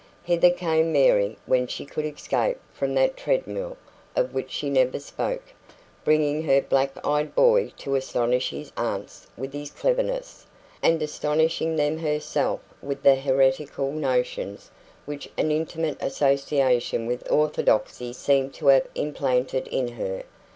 Hither came Mary when she could escape from that treadmill of which she never spoke, bringing her black eyed boy to astonish his aunts with his cleverness, and astonishing them herself with the heretical notions which an intimate association with orthodoxy seemed to have implanted in her.